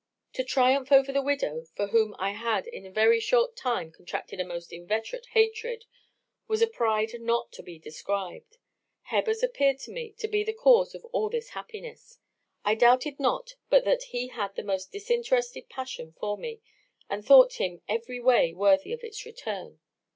To triumph over the widow, for whom I had in a very short time contracted a most inveterate hatred, was a pride not to be described. Hebbers appeared to me to be the cause of all this happiness. I doubted not but that he had the most disinterested passion for me, and thought him every way worthy of its return.